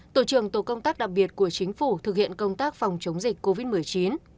tổ trưởng tổ công tác đặc biệt của chính phủ thực hiện công tác phòng chống dịch covid một mươi chín